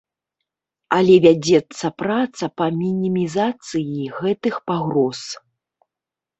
Але вядзецца праца па мінімізацыі гэтых пагроз.